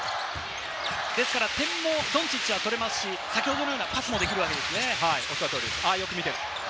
点もドンチッチは取れますし、先ほどのようなパスもできるわけですね。